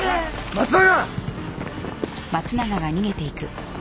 松永！